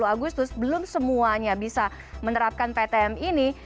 karena tiga puluh agustus belum semuanya bisa menerapkan ptm ini